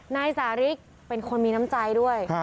นายสาริกเป็นคนมีน้ำใจด้วย